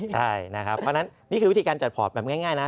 ใช่นี่คือวิธีการจัดพอร์ตแบบง่ายนะ